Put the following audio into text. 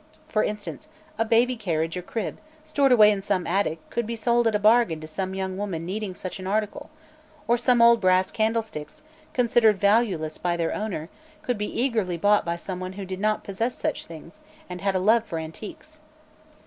For instance, a baby carriage or crib, stored away in some attic, could be sold at a bargain to some young woman needing such an article; or some old brass candlesticks, considered valueless by their owner, would be eagerly bought by someone who did not possess such things and had a love for antiques.